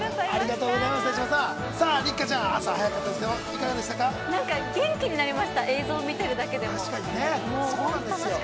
六花ちゃん、朝早かったですがいかがでしたか。